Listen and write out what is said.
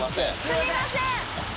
すみません。